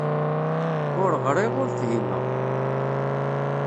Ur ɣriɣ, ur fhimeɣ.